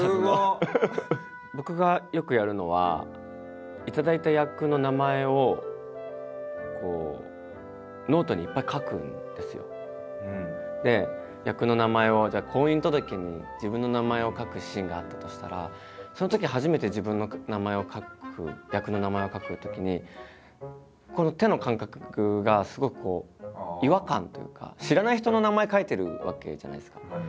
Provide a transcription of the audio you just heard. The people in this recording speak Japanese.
僕がよくやるのは頂いた役の名前をじゃあ婚姻届に自分の名前を書くシーンがあったとしたらそのとき初めて自分の名前を書く役の名前を書くときにこの手の感覚がすごくこう違和感というか知らない人の名前書いてるわけじゃないですか。